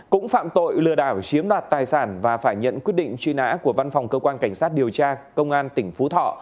cũng phạm tội lừa đảo chiếm đoạt tài sản và phải nhận quyết định truy nã của văn phòng cơ quan cảnh sát điều tra công an tỉnh phú thọ